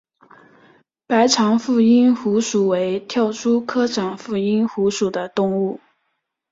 白长腹蝇虎属为跳蛛科长腹蝇虎属的动物。